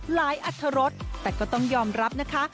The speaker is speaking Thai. หลายอัตรศแต่ก็ต้องยอมรับนะคะ